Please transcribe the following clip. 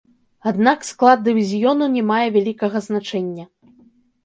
Аднак склад дывізіёну не мае вялікага значэння.